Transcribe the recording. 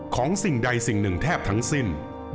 สิ่งใดสิ่งหนึ่งแทบทั้งสิ้น